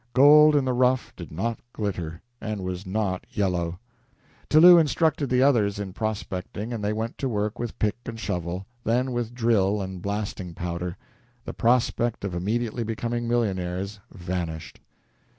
Gold in the rough did not glitter, and was not yellow. Tillou instructed the others in prospecting, and they went to work with pick and shovel then with drill and blasting powder. The prospect of immediately becoming millionaires vanished.